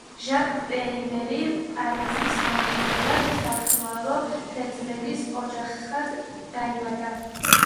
ჟაკ პრევერი პარიზის მახლობლად, საშუალო შეძლების ოჯახში დაიბადა.